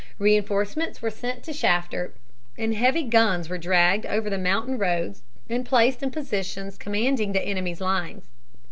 Reinforcements were sent to Shafter, and heavy guns were dragged over the mountain roads and placed in positions commanding the enemy's lines.